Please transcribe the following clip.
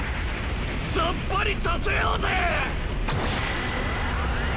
さっぱりさせようぜ！